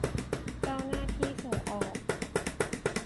เจ้าหน้าที่ส่งออก